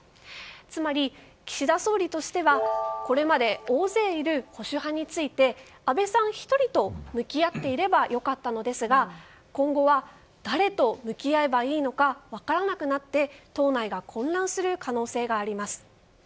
つまり、岸田総理としてはこれまでは大勢いる保守派について安倍さん１人と向き合っていれば良かったのですが今後は、誰と向き合えばいいのか分からなくなって党内が混乱する可能性があります。